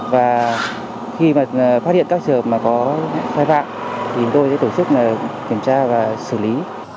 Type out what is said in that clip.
và khi phát hiện các trợ mà có sai vạng tôi sẽ tổ chức kiểm tra và xử lý